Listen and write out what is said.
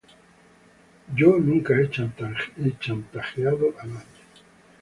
Yo nunca he chantajeado a nadie.